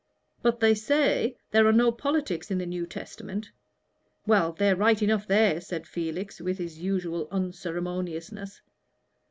But, they say, there are no politics in the New Testament " "Well, they're right enough there," said Felix, with his usual unceremoniousness.